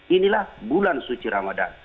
inilah bulan suci ramadan